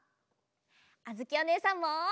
あづきおねえさんも。